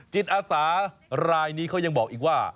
จิตอาสารายนี้เขายังบอกอีกว่า